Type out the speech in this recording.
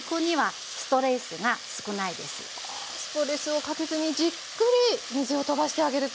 あストレスをかけずにじっくり水をとばしてあげると。